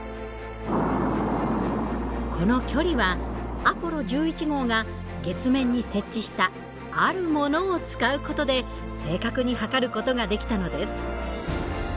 この距離はアポロ１１号が月面に設置したあるものを使う事で正確に測る事ができたのです。